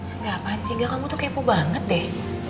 enggak apaan sih enggak kamu tuh kepo banget deh